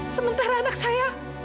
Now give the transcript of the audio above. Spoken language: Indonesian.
sementara anak saya